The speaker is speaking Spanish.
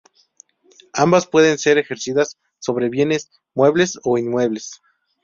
Ambas pueden ser ejercidas sobre bienes muebles o inmuebles.